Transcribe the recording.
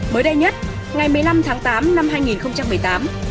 mới đây nhất ngày một mươi năm tháng tám năm hai nghìn một mươi tám